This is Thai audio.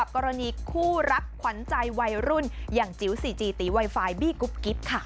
กรณีคู่รักขวัญใจวัยรุ่นอย่างจิ๋วซีจีตีไวไฟบี้กุ๊บกิ๊บค่ะ